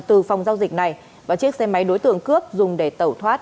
từ phòng giao dịch này và chiếc xe máy đối tượng cướp dùng để tẩu thoát